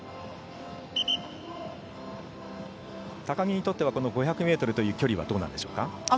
高木にとっては５００ｍという距離はどうなんでしょうか？